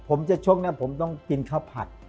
ผมจะชกนะผมต้องกินข้าวผัด